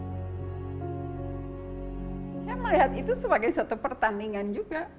saya melihat itu sebagai satu pertandingan juga